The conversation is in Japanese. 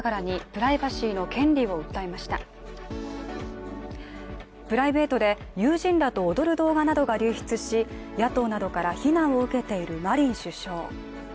プライベートで友人らと踊る動画などが流出し野党などから非難を受けているマリン首相。